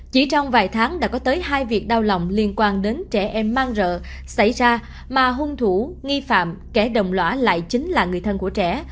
chỉ trong vài tháng đã có tới hai việc đau lòng liên quan đến trẻ em mang rợ xảy ra mà hung thủ nghi phạm kẻ đồng lõa lại chính là người thân của trẻ